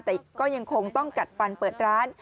แต่ก็ยังคงต้องกัดฟันเปิดร้าน